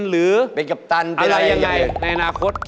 หรือเป็นกัปตัน